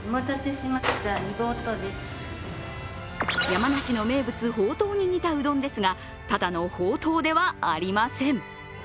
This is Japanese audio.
山梨の名物・ほうとうに似たうどんですがただのほうとうではありません。